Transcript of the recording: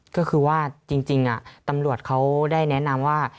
ก็คือว่าจริงตำรวจเขาได้แนะนำว่า